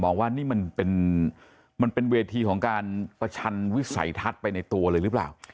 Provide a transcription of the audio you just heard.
ว่านี่มันเป็นเวทีของการประชันวิสัยทัศน์ไปในตัวเลยหรือเปล่า